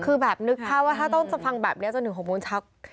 คือแบบนึกภาพว่าถ้าต้องฟังแบบนี้จะถึงโฮโมนชัก